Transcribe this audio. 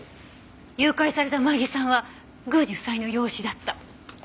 誘拐された萌衣さんは宮司夫妻の養子だった。